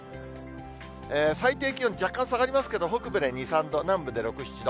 最低気温、若干下がりますけれども、北部で２、３度、南部で６、７度。